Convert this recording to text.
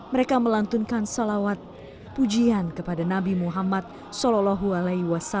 mereka melantunkan sholawat pujian kepada nabi muhammad saw di malam kelahirannya